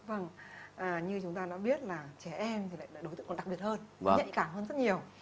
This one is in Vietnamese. vâng như chúng ta đã biết là trẻ em thì lại là đối tượng còn đặc biệt hơn nhạy cảm hơn rất nhiều